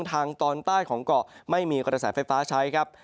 ทางตอนใต้ของเกาะไม่มีกระแสไฟฟ้าใช้ครับ